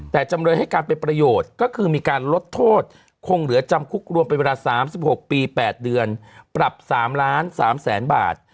แต่จำเลยให้การเป็นประโยชน์ก็คือมีการลดโทษคงเหลือจำคุกรวมเป็นเวลา๓๖ปี๘เดือนปรับ๓ล้าน๓แสนบาท